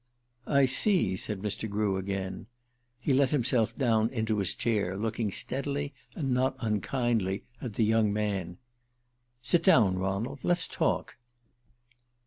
"I see," said Mr. Grew again. He let himself down into his chair, looking steadily and not unkindly at the young man. "Sit down, Ronald. Let's talk."